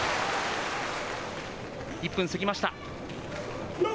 １分過ぎました。